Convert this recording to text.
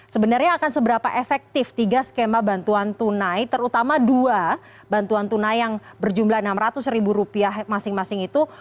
sebenarnya akan seberapa efektif tiga skema bantuan tunai terutama dua bantuan tunai yang berjumlah rp enam ratus masing masing itu